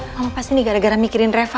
mama pasti digara gara mikirin reva kan